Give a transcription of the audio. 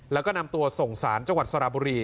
แล้วก็นำตัวส่งสารจังหวัดสระบุรี